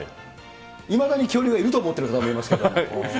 いまだに恐竜がいると思っている方もいると思いますけれども。